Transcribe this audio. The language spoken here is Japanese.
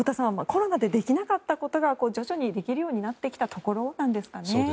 コロナでできなかったことが徐々にできるようになってきたところなんですかね。